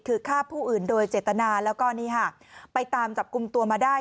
คือฆ่าผู้อื่นโดยเจตนาแล้วก็นี่ค่ะไปตามจับกลุ่มตัวมาได้